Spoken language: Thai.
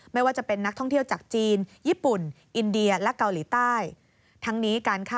ไม่ว่าจะเป็นนักท่องเที่ยวจากจีนญี่ปุ่นอินเดียและเกาหลีใต้